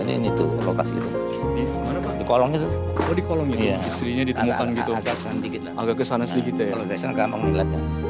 di kolongnya itu istrinya ditemukan gitu agak kesana sedikit ya